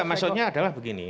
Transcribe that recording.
enggak maksudnya adalah begini